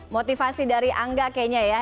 motivasi dari angga kayaknya ya